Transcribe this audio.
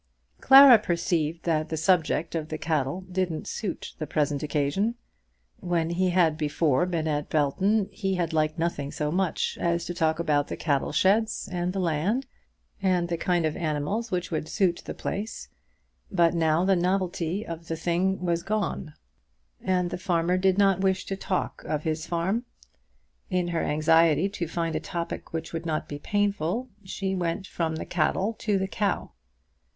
Clara perceived that the subject of the cattle didn't suit the present occasion. When he had before been at Belton he had liked nothing so much as talking about the cattle sheds, and the land, and the kind of animals which would suit the place; but now the novelty of the thing was gone, and the farmer did not wish to talk of his farm. In her anxiety to find a topic which would not be painful, she went from the cattle to the cow.